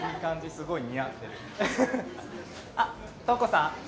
すごい似合ってるあっ瞳子さん